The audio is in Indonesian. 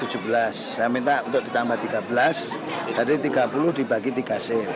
saya minta untuk ditambah tiga belas tadi tiga puluh dibagi tiga c